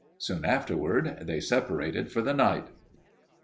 Soon afterward they separated for the night.